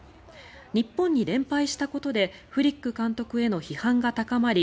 日本に連敗したことでフリック監督への批判が高まり